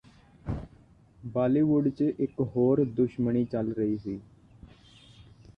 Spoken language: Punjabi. ਬਾਲੀਵੁੱਡ ਚ ਇਕ ਹੋਰ ਦੁਸ਼ਮਣੀ ਚੱਲ ਰਹੀ ਸੀ